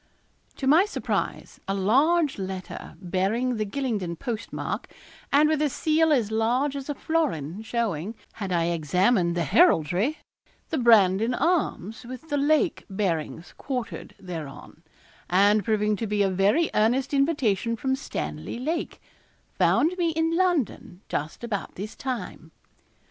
To my surprise, a large letter, bearing the Gylingden postmark, and with a seal as large as a florin, showing, had I examined the heraldry, the Brandon arms with the Lake bearings quartered thereon, and proving to be a very earnest invitation from Stanley Lake, found me in London just about this time.